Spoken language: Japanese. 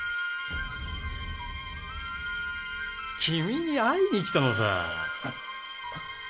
君に会いに来たのさ。